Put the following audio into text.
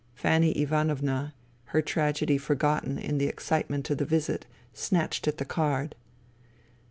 Fanny Ivanovna, her tragedy forgotten in the excitement of the visit, snatched at the card.